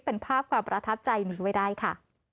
เป็นภาพความประทับใจนี้ไว้ได้ค่ะ